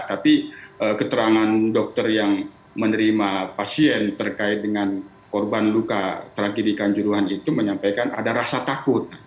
tapi keterangan dokter yang menerima pasien terkait dengan korban luka tragedi kanjuruhan itu menyampaikan ada rasa takut